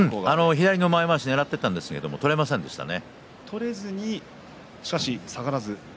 左の前まわしをねらったんですが取れませんでしたね。